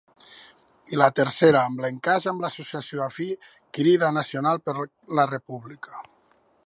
I la tercera amb l'encaix amb l'associació afí Crida Nacional per la República.